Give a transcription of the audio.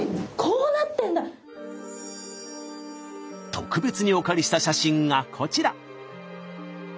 特別にお借りした写真がこちら。